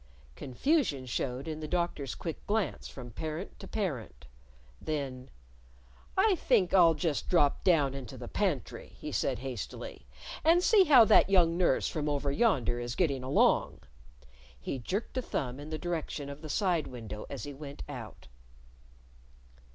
Confusion showed in the Doctor's quick glance from parent to parent. Then, "I think I'll just drop down into the pantry," he said hastily, "and see how that young nurse from over yonder is getting along." He jerked a thumb in the direction of the side window as he went out.